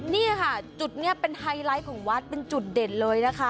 นี่ค่ะจุดนี้เป็นไฮไลท์ของวัดเป็นจุดเด่นเลยนะคะ